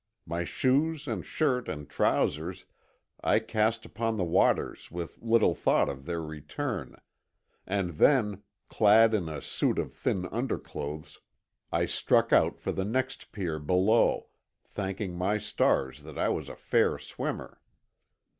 My shoes and shirt and trousers I cast upon the waters with little thought of their return; and then, clad in a suit of thin underclothes I struck out for the next pier below, thanking my stars that I was a fair swimmer.